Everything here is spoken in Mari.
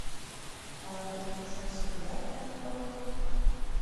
— Ала пӧлеклышаш сатуда иктаж-могай уло?